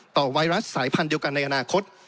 ไวรัสสายพันธุ์เดียวกันในอนาคต